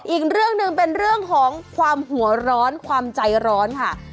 อีกเรื่องหนึ่งเป็นเรื่องของความหัวร้อนความใจร้อนค่ะ